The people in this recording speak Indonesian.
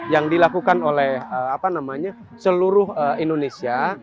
yang dilakukan oleh seluruh indonesia